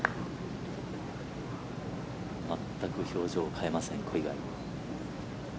全く表情を変えません、小祝。